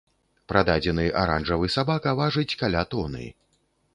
Прададзены аранжавы сабака важыць каля тоны.